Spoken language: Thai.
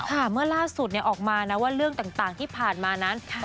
เมื่อล่าสุดออกมานะว่าเรื่องต่างที่ผ่านมานั้น